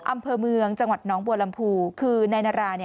อำเภอเมืองจังหวัดน้องบัวลำพูคือนายนารา